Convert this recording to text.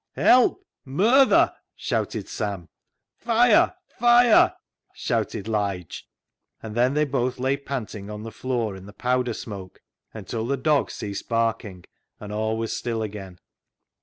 " Help ! Murther !" shouted Sam. " Fire ! Fire !" shouted Lige, and then they both lay panting on the floor in the powder smoke until the dog ceased barking, and all was still again.